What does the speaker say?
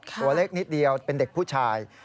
ตัวเล็กนิดเดียวเป็นเด็กผู้ชาย